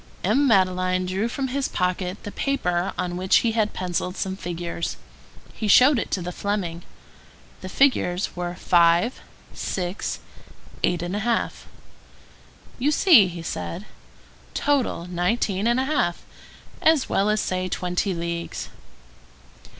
M. Madeleine drew from his pocket the paper on which he had pencilled some figures. He showed it to the Fleming. The figures were 5, 6, 8½. "You see," he said, "total, nineteen and a half; as well say twenty leagues."